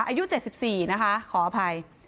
อายุ๗๔นะคะขออภัย